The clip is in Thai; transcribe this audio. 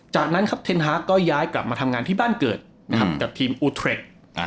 จากนั้นครับเทนฮาร์กก็ย้ายกลับมาทำงานที่บ้านเกิดนะครับกับทีมอูเทรด